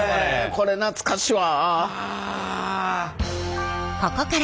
これ懐かしいわ。